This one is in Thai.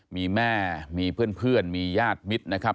มีแม่มีเพื่อนมีญาติมิตรนะครับ